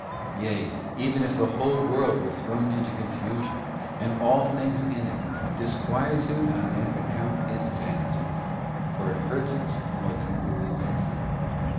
Yea, even if the whole world were thrown into confusion, and all things in it, disquietude on that account is vanity, for it hurts us more than it relieves us.